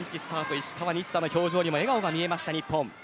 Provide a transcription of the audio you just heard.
石川、西田の表情にも笑顔が見えました日本。